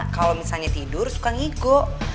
kalau misalnya tidur suka ngigok